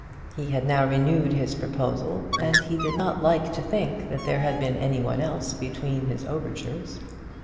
He had now renewed his proposal, and he did not like to think that there had been any one else between his overtures.